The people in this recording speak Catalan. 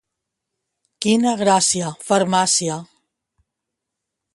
Quina gràcia, farmàcia.